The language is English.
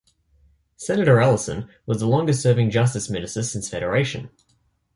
Senator Ellison was the longest serving Justice Minister since Federation.